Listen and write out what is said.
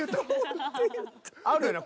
あるよな。